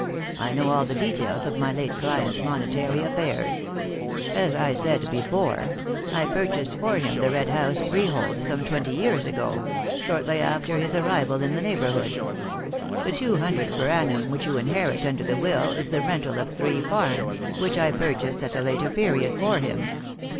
I know all the details of my late client's monetary affairs. As I said before, I purchased for him the Red House freehold some twenty years ago shortly after his arrival in the neighbourhood. The two hundred per annum which you inherit under the will is the rental of three farms, which I purchased at a later period for him.